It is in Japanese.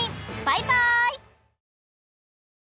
バイバイ！